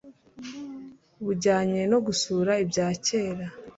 bujyanye no gusura ibya kera